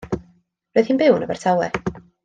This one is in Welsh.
Roedd hi'n byw yn Abertawe.